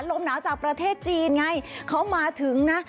ลมหนาวจากประเทศจีนไงเขามาถึงนะ